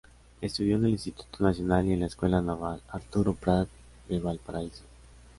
Estudió en el Instituto Nacional y en la Escuela Naval Arturo Prat de Valparaíso.